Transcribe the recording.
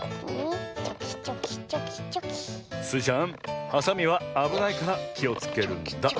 スイちゃんはさみはあぶないからきをつけるんだ。